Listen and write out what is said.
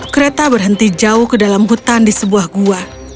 kereta berhenti jauh ke dalam hutan di sebuah gua